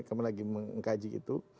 kami lagi mengkaji itu